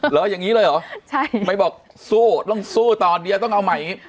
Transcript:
หรืออย่างงี้เลยหรอไปบอกสู้ต้องสู้ตอนนี้ต้องเอาใหม่